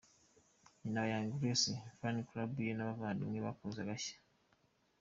Nyina wa Young Grace, Fan Club ye n’abavandimwe bakoze agashya :.